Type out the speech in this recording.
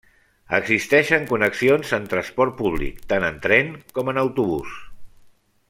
Existeixen connexions en transport públic, tant en tren com en autobús.